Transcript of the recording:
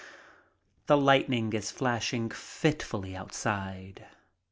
The lightning is flashing fitfully outside.